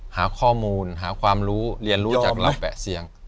หาข้อมูลหาความรู้เรียนรู้จากรับแปะเสี่ยง